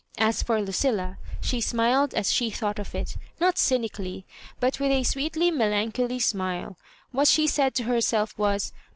As for Lucilla^ she smiled as she thought of it not cynically, but with a sweetly melancholy smila What she said to herself was.